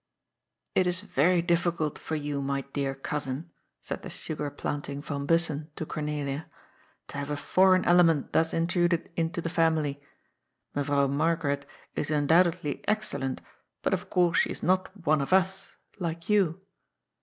" It is very difficult for you, my dear cousin," said the sugar planting van Bussen to Cornelia, '' to have a foreign element thus in truded into the family. Mevrouw Margaret is undoubtedly excellent, but of course she is not one of us, like you."